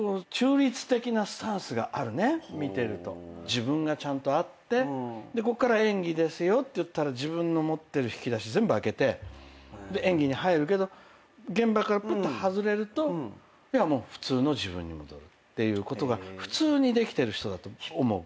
自分がちゃんとあってこっから演技ですよっていったら自分の持ってる引き出し全部開けて演技に入るけど現場から外れると普通の自分に戻るっていうことが普通にできてる人だと思う。